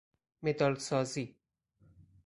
مدال سازی